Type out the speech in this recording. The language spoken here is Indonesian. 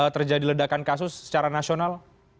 terjadi ledakan kasus secara nasional